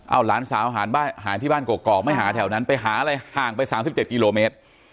เอาหลานสาวหายที่บ้านกอกไม่หาแถวนั้นไปหาอะไรห่างไป๓๗กิโลเมตร